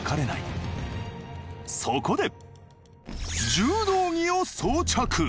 そこで柔道着を装着！